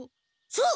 そう！